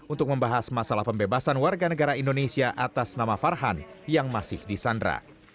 untuk membahas masalah pembebasan warga negara indonesia atas nama farhan yang masih disandra